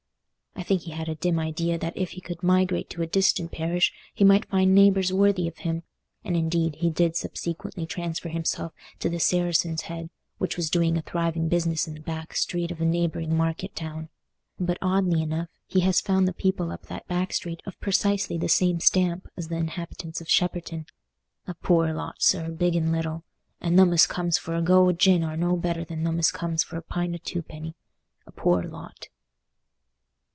I think he had a dim idea that if he could migrate to a distant parish, he might find neighbours worthy of him; and indeed he did subsequently transfer himself to the Saracen's Head, which was doing a thriving business in the back street of a neighbouring market town. But, oddly enough, he has found the people up that back street of precisely the same stamp as the inhabitants of Shepperton—"a poor lot, sir, big and little, and them as comes for a go o' gin are no better than them as comes for a pint o' twopenny—a poor lot."